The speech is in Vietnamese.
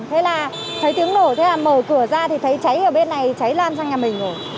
thế là thấy tiếng nổ thế là mở cửa ra thì thấy cháy ở bên này cháy lan sang nhà mình rồi